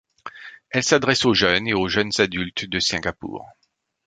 Elle s'adresse aux jeunes et aux jeunes adultes de Singapour.